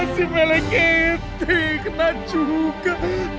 si melek ketik kena juga